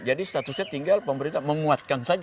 jadi statusnya tinggal pemerintah menguatkan saja sebenarnya